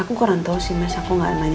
aku kurang tau sih masa aku gak ada kondisinya